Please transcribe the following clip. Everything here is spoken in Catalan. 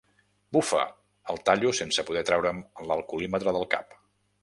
Bufa! —el tallo, sense poder treure'm l'alcoholímetre del cap.